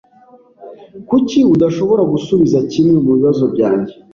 Kuki udashobora gusubiza kimwe mubibazo byanjye?